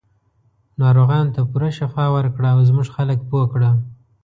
ناروغانو ته پوره شفا ورکړه او زموږ خلک پوه کړه.